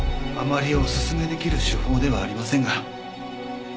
あまりおすすめできる手法ではありませんが。